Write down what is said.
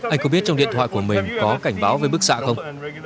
anh có biết trong điện thoại của mình có cảnh báo về bức xạ không